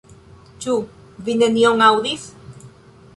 Ĉu vi nenion aŭdis?